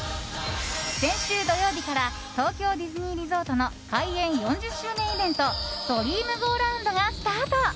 先週土曜日から東京ディズニーリゾートの開園４０周年イベントドリームゴーラウンドがスタート。